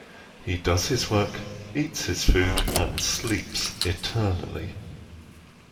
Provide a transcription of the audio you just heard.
He does his work, eats his food, and sleeps eternally!